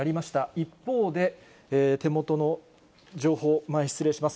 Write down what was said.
一方で、手元の情報、前、失礼します。